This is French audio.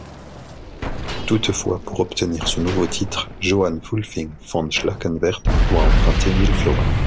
Toutefois, pour obtenir son nouveau titre, Johann Wulfing von Schlackenwerth doit emprunter mille florins.